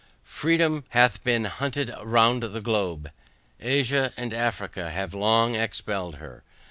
Freedom hath been hunted round the globe. Asia, and Africa, have long expelled her.